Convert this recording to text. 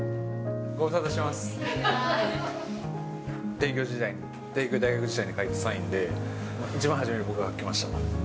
帝京時代に、帝京大学時代に書いたサインで、一番初めに僕が書きました。